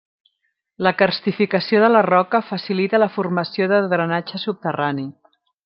La carstificació de la roca facilita la formació de drenatge subterrani.